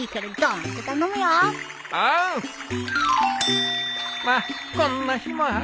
まっこんな日もあるさ。